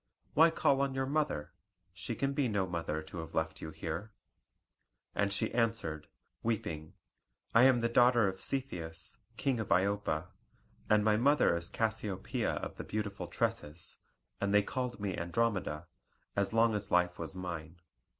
"Why call on your mother? She can be no mother to have left you here." And she answered, weeping: "I am the daughter of Cepheus, King of Iopa, and my mother is Cassiopoeia of the beautiful tresses, and they called me Andromeda, as long as life was mine.